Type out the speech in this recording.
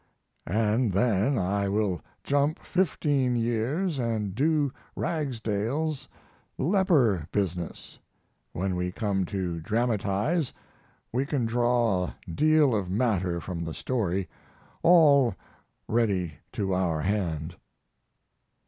And then I will jump fifteen years and do Ragsdale's leper business. When we come to dramatize, we can draw a deal of matter from the story, all ready to our hand.